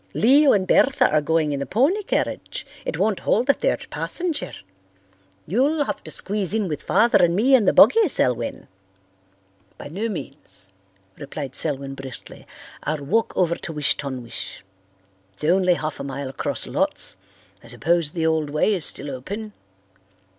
Leo and Bertha are going in the pony carriage. It won't hold a third passenger. You'll have to squeeze in with Father and me in the buggy, Selwyn." "By no means," replied Selwyn briskly. "I'll walk over to Wish ton wish. Ifs only half a mile across lots. I suppose the old way is still open?"